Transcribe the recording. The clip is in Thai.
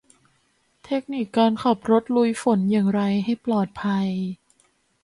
เทคนิคการขับรถลุยฝนอย่างไรให้ปลอดภัย